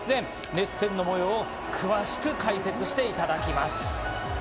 熱戦の模様を詳しく解説していただきます。